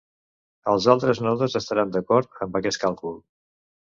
Els altres nodes estaran d'acord amb aquest càlcul.